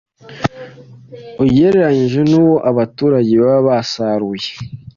ugereranyije n’uwo abaturage baba basaruye.